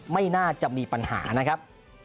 ไม่น่าจะมีปัญหานะครับ